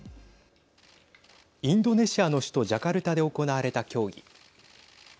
インドネシアの首都ジャカルタで行われた協議。